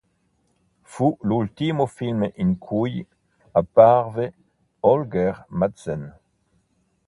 Fu l'ultimo film in cui apparve Holger-Madsen.